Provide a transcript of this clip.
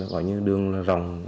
gọi như đường là ròng